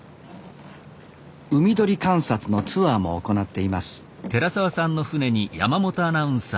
海鳥観察のツアーも行っていますさあ